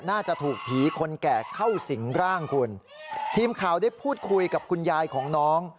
น่าจะถูกผีคนแก่เข้าสิงร่างคุณทีมข่าวได้พูดคุยกับคุณยายของน้อง